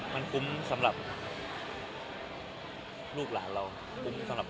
มันคุ้มสำหรับลูกหลานเราคุ้มสำหรับคนไทยของเรา